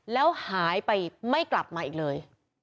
แล้วหายไปไม่กลับมาอีกเลย